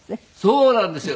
そうなんですよ。